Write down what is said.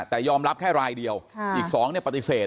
แต่ยอมรับแค่รายเดียวอีก๒ปฏิเสธ